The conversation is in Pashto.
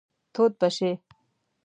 تود به شئ.